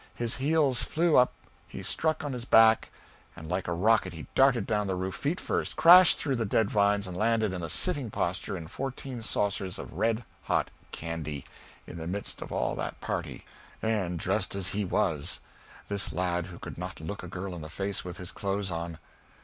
His heels flew up, he struck on his back, and like a rocket he darted down the roof feet first, crashed through the dead vines and landed in a sitting posture in fourteen saucers of red hot candy, in the midst of all that party and dressed as he was: this lad who could not look a girl in the face with his clothes on.